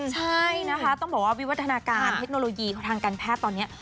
ใช่นะคะต้องบอกว่าวิวัฒนาการเทคโนโลยีของทางการแพทย์ตอนนี้